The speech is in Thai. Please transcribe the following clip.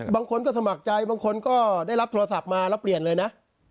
บางคนก็สมัครใจบางคนก็ได้รับโทรศัพท์มาแล้วเปลี่ยนเลยนะ